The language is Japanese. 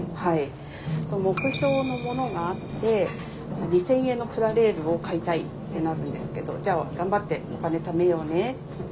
目標のものがあって２，０００円のプラレールを買いたいってなるんですけど「じゃあ頑張ってお金貯めようね」って。